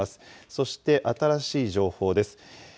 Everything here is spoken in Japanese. そして新しい情報です。